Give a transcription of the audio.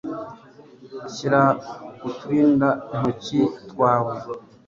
shyira uturindantoki twawe